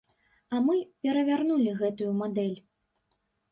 А мы перавярнулі гэтую мадэль.